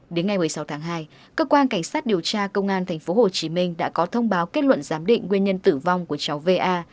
đến ngày một mươi sáu tháng hai cơ quan cảnh sát điều tra công an tp hcm đã có thông báo kết luận giám định nguyên nhân tử vong của cháu va